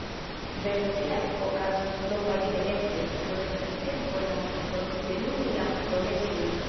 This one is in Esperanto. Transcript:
Venontjare okazos novaj elektoj, do estas tempo lasta por plenumi la promesojn.